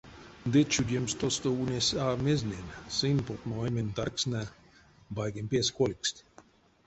Ды чудемскак тосто ульнесь а мезнень — сынь, потмо оймень тарькстнэ, байгень пес кольгсть.